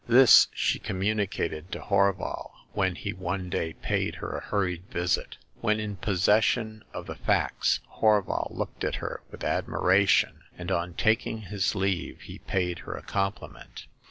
This she communicated to Horval when he one day paid her a hurried visit. When in posses sion of the facts, Horval looked at her with ad miration, and on taking his leave he paid her a compliment.